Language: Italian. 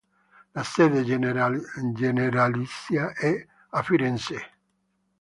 La sede generalizia è a Firenze.